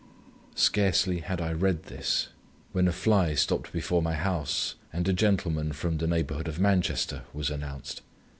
SCARCELY HAD I READ THIS, when a fly stopped before my house, and a gentleman, Mr. , from the neighbourhood of Manchester, was announced.